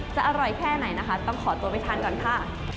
จะอร่อยแค่ไหนนะคะต้องขอตัวไปทานก่อนค่ะ